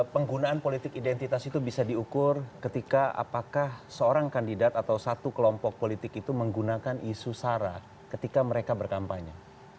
penggunaan politik identitas itu bisa diukur ketika apakah seorang kandidat atau satu kelompok politik itu menggunakan isu sara ketika mereka berkampanye